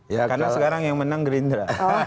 karena sekarang yang menang gerindra